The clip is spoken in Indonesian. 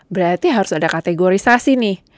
berarti harus ada kategorisasi nih